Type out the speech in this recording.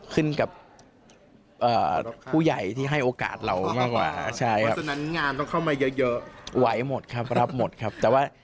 ขึ้นกับผู้ใหญ่ที่ให้โอกาสเรา